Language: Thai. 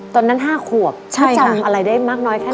ตอนนั้น๕ขวบใช่ค่ะถ้าจำอะไรได้มากน้อยแค่ไหนคะ